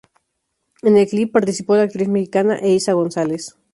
En el clip participó la actriz mexicana Eiza González.